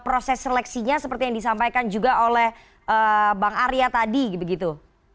proses seleksinya seperti yang disampaikan juga oleh bang arya tadi begitu